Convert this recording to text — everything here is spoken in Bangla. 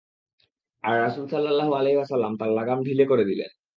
আর রাসূল সাল্লাল্লাহু আলাইহি ওয়াসাল্লাম তাঁর লাগাম ঢিলে করে দিলেন।